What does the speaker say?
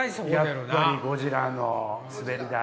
やっぱりゴジラの滑り台。